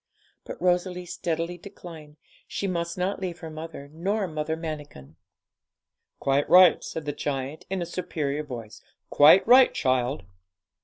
But Rosalie steadily declined; she must not leave her mother nor Mother Manikin. 'Quite right,' said the giant, in a superior voice; 'quite right, child.'